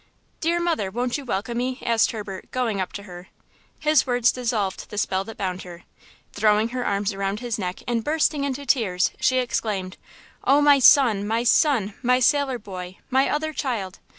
"Dear mother, won't you welcome me?" asked Herbert, going up to her. His words dissolved the spell that bound her. Throwing her arms around his neck and bursting into tears, she exclaimed: "Oh, my son! my son! my sailor boy! my other child!